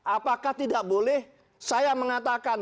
apakah tidak boleh saya mengatakan